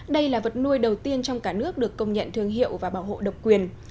đây là vật nuôi đầu tiên trong cả nước được công nhận thương hiệu và bảo hộ độc quyền